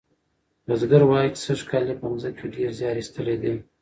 بزګر وایي چې سږکال یې په مځکه کې ډیر زیار ایستلی دی.